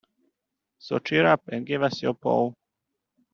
So cheer up, and give us your paw.